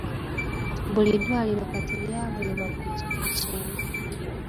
Buli ddwaliro kati lyaweebwa ppikipiki emu.